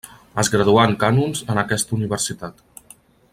Es graduà en cànons en aquesta universitat.